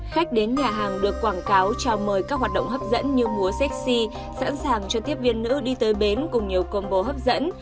khách đến nhà hàng được quảng cáo chào mời các hoạt động hấp dẫn như múa séci sẵn sàng cho tiếp viên nữ đi tới bến cùng nhiều combo hấp dẫn